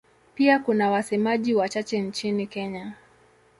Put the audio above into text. Pia kuna wasemaji wachache nchini Kenya.